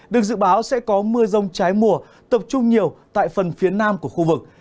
được dự báo sẽ có mưa rông trái mùa tập trung nhiều tại phần phía nam của khu vực